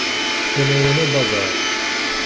Fkan-awen abadaṛ.